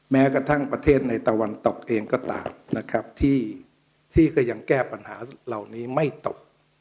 แม้กระทั่งประเทศในตะวันตกเองก็ตามนะครับที่ก็ยังแก้ปัญหาเหล่านี้ไม่ตก